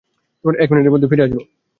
এক মিনিটের মধ্যেই ফিরে আসব, মেয়ে।